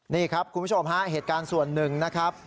นี่ครับคุณผู้ชมฮะเหตุการณ์ส่วนหนึ่งนะครับ